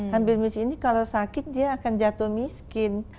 hampir miskin ini kalau sakit dia akan jatuh miskin